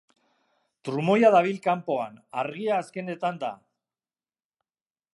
Trumoia dabil kanpoan, argia azkenetan da.